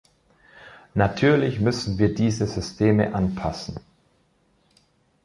Natürlich müssen wir diese Systeme anpassen.